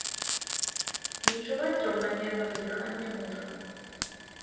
Не чуваць раўнамернага дыхання мужа.